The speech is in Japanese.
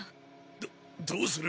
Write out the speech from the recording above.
どどうする？